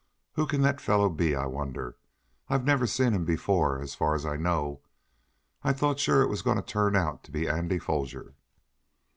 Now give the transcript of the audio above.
Who can that fellow be, I wonder? I've never seen him before, as far as I know. I thought sure it was going to turn out to be Andy Foger!"